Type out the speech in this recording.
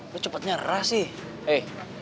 lo cepet nyerah sih